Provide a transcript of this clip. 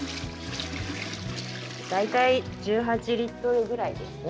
大体１８リットルぐらいですね。